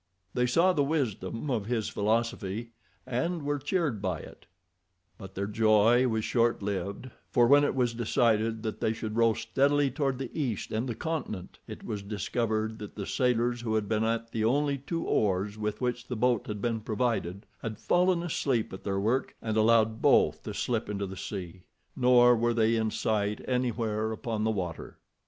They saw the wisdom of his philosophy, and were cheered by it, but their joy was short lived, for when it was decided that they should row steadily toward the east and the continent, it was discovered that the sailors who had been at the only two oars with which the boat had been provided had fallen asleep at their work, and allowed both to slip into the sea, nor were they in sight anywhere upon the water.